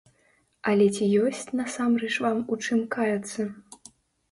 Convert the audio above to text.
Але ці ёсць насамрэч вам у чым каяцца?